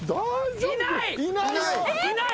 いない！